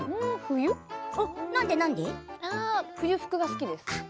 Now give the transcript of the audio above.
冬服が好きです。